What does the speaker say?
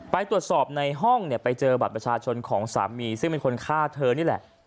ไปตรวจสอบในห้องเนี่ยไปเจอบัตรประชาชนของสามีซึ่งเป็นคนฆ่าเธอนี่แหละ